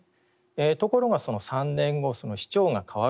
ところがその３年後その市長が変わる中でですね